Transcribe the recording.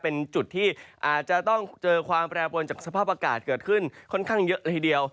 เป็นจุดที่อาจจะต้องเจอความแปรปวนจากสภาพอากาศเกิดขึ้นค่อนข้างเยอะเลยทีเดียว